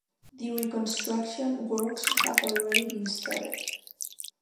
The reconstruction works have already been started.